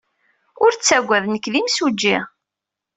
Ur ttaggad. Nekk d imsujji.